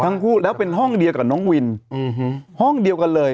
ทั้งคู่แล้วเป็นห้องเดียวกับน้องวินห้องเดียวกันเลย